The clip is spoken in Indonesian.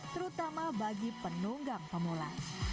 terutama bagi penunggang pemula